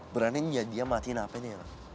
berani nih dia matiin hpnya ya